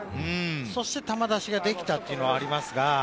そして球出しができたということがあります。